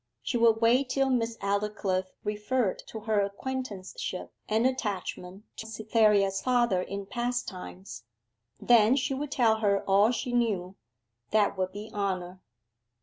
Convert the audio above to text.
She would wait till Miss Aldclyffe referred to her acquaintanceship and attachment to Cytherea's father in past times: then she would tell her all she knew: that would be honour.